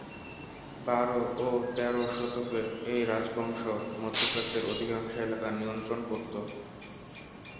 বার ও তের শতকে এই রাজবংশ মধ্যপ্রাচ্যের অধিকাংশ এলাকা নিয়ন্ত্রণ করত।